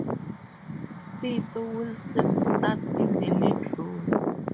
Tito Wilson stars in the lead role.